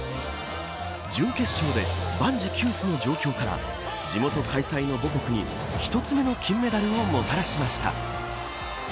準決勝で万事休すの状況から地元開催の母国に１つ目の金メダルをもたらしました。